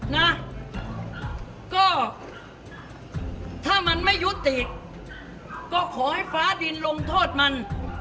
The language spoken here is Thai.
นะก็ถ้ามันไม่ยุติก็ขอให้ฟ้าดินลงโทษมัน